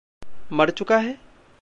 मर चुका है?